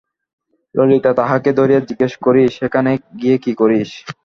ললিতা তাহাকে ধরিয়া জিজ্ঞাসা করি, সেখানে গিয়ে কী করিস?